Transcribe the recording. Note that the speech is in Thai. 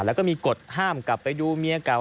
แล้วก็มีกฎห้ามกลับไปดูเมียเก่า